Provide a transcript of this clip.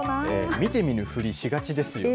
見て見ぬふりしがちですよね。